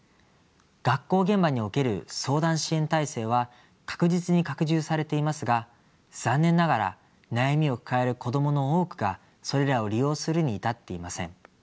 学校現場における相談支援体制は確実に拡充されていますが残念ながら悩みを抱える子どもの多くがそれらを利用するに至っていません。